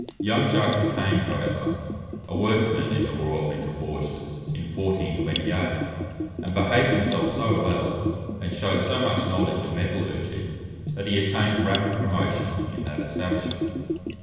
Young Jacques became, however, a workman in the Royal Mint of Bourges, in 1428, and behaved himself so well, and shewed so much knowledge of metallurgy, that he attained rapid promotion in that establishment.